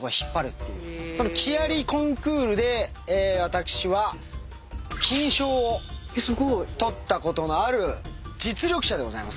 その木やりコンクールで私は金賞を取ったことのある実力者でございますから。